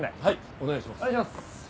お願いします！